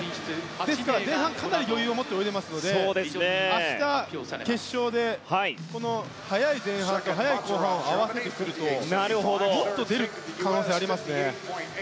ですから、前半かなり余裕を持って泳いでますので明日、決勝で速い前半と速い後半を合わせてくるともっと出る可能性がありますね。